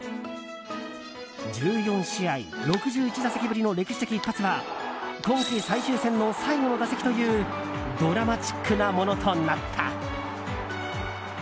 １４試合６１打席ぶりの歴史的一発は今季最終戦の最後の打席というドラマチックなものとなった。